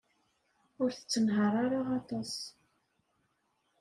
Ur tettenhaṛ ara aṭas.